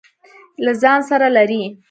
له ځان سره لري.